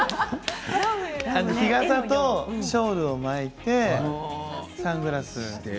日傘とショールを巻いてサングラス。